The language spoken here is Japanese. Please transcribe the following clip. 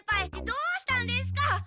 どうしたんですか！